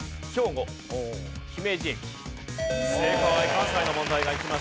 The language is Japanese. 関西の問題がいきました。